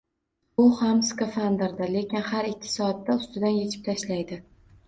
U ham skafandrda, lekin har ikki soatda ustidan echib tashlaydi